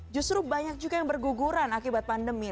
justru banyak juga yang berguguran akibat pandemi